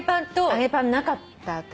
揚げパンなかった私。